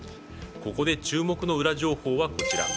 ここで注目のウラ情報はこちら。